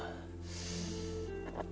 j gerry nya semangat